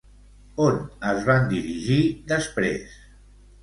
On es van dirigir després?